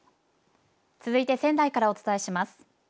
続いて仙台からお伝えします。